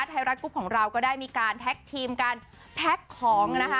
ไทยรัฐกรุ๊ปของเราก็ได้มีการแท็กทีมการแพ็คของนะคะ